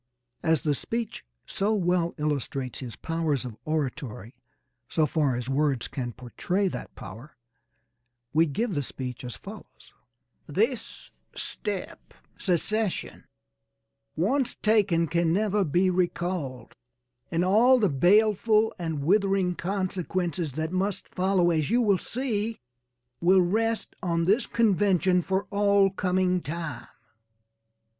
As the speech so well illustrates his powers of oratory, so far as words can portray that power, we give the speech as follows: This step, secession, once taken can never be recalled, and all the baleful and withering consequences that must follow, as you will see, will rest on this convention for all coming time.